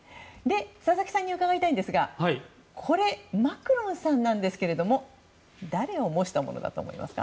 佐々木さんに伺いたいんですがこれ、マクロンさんですけど誰を模したものだと思いますか？